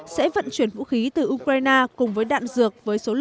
sẽ vận chuyển đến trung quốc